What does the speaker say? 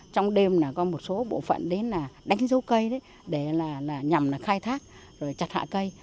trong đêm có một số bộ phận đến đánh dấu cây để nhằm khai thác chặt hạ cây